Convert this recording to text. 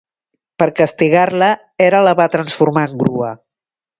Per castigar-la Hera la va transformar en grua.